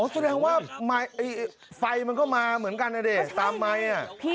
อ๋อแสดงว่าไฟมันเข้ามาเหมือนกันนะเดะตามไมค์นี่